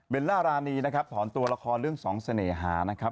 เบลล่ารานีนะครับผอนตัวละครเรื่องสองเสน่หา